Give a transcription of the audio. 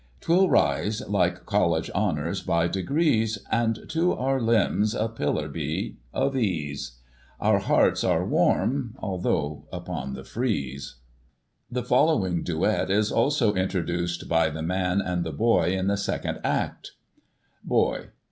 'Twill rise, like College honours, by degrees. And to our limbs a pillar be, of ease : Our hearts are warm — although upon the frieze. The following duet is also introduced by the man and the boy in the second act : Boy.